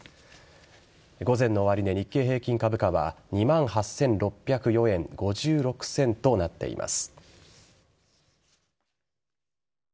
午前の終値、日経平均株価は２万８６０４円５６銭となっています。